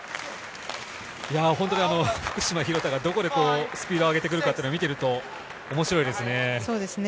本当に福島・廣田がどこでスピードを上げてくるかを見ていると面白いですね。